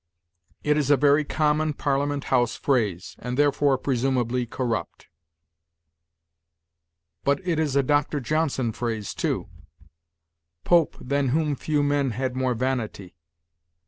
' It is a very common Parliament house phrase, and therefore presumably corrupt; but it is a Dr. Johnson phrase, too: 'Pope, than whom few men had more vanity.'